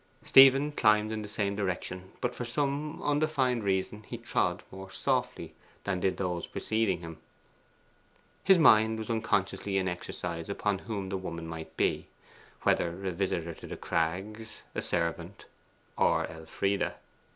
Stephen climbed in the same direction, but for some undefined reason he trod more softly than did those preceding him. His mind was unconsciously in exercise upon whom the woman might be whether a visitor to The Crags, a servant, or Elfride.